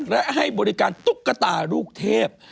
และให้บริการตุ๊กตาลูกเทพ